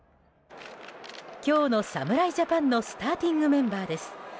今日の侍ジャパンのスターティングメンバーです。